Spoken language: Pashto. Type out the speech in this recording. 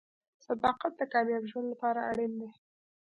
• صداقت د کامیاب ژوند لپاره اړین دی.